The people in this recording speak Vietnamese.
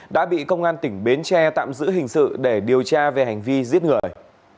đã bị công an tỉnh bến tre tạm giữ hình sự để điều tra về hành vi giết người